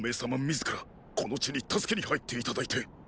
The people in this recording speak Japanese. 自らこの地に助けに入って頂いて。